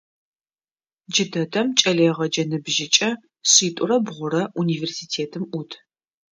Джыдэдэм кӏэлэегъэджэ ныбжьыкӏэ шъитӏурэ бгъурэ университетым ӏут.